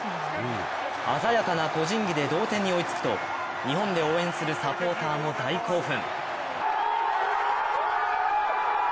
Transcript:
鮮やかな個人技で同点に追いつくと日本で応援するサポーターも大興奮。